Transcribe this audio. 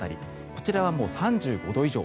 こちらはもう３５度以上。